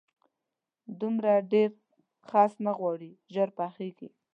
دومره ډېر خس نه غواړي، ژر پخېږي.